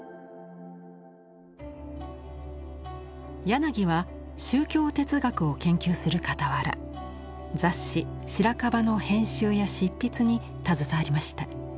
柳は宗教哲学を研究するかたわら雑誌「白樺」の編集や執筆に携わりました。